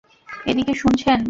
এদিকে, শুনছেন!